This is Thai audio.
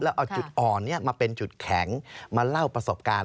แล้วเอาจุดอ่อนนี้มาเป็นจุดแข็งมาเล่าประสบการณ์